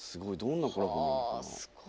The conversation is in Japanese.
すごい。